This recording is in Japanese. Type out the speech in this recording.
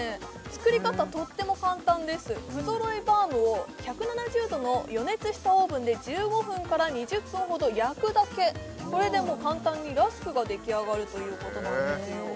作り方とっても簡単です不揃いバウムを１７０度の予熱したオーブンで１５分から２０分ほど焼くだけこれでもう簡単にラスクが出来上がるということなんですよ